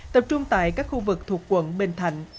tập trung tại các khu vực thuộc quận bình thạnh